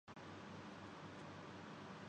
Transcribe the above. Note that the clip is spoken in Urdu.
کیا آپ چاہتے ہیں کہ میں آپ کو اس کے گھر لے جاؤں؟